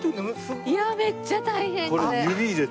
いやめっちゃ大変あれ。